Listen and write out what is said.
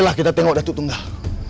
lah kita tengok datuk tunggal